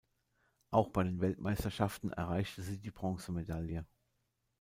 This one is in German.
Auch bei den Weltmeisterschaften erreichte sie die Bronzemedaille.